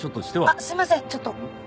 あっすいませんちょっと！